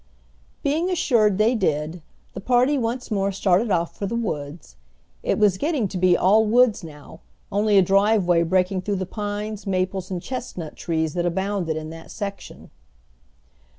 Being assured they did, the party once more started off for the woods. It was getting to be all woods now, only a driveway breaking through the pines, maples, and chestnut trees that abounded in that section.